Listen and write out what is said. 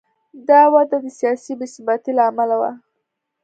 دا وده د سیاسي بې ثباتۍ له امله و.